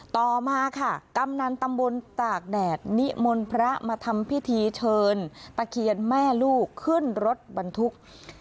ต่อมาค่ะกำนันตำบลตากแดดนิมนต์พระมาทำพิธีเชิญตะเคียนแม่ลูกขึ้นรถบรรทุก